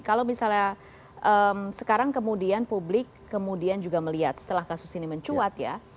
kalau misalnya sekarang kemudian publik kemudian juga melihat setelah kasus ini mencuat ya